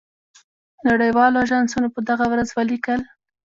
نړۍ والو آژانسونو په دغه ورځ ولیکل.